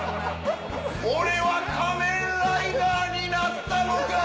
俺は仮面ライダーになったのか！